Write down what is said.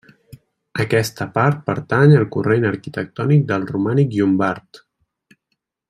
Aquesta part pertany al corrent arquitectònic del romànic llombard.